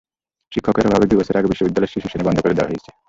শিক্ষকের অভাবে দুই বছর আগে বিদ্যালয়ের শিশু শ্রেণি বন্ধ করে দেওয়া হয়েছে।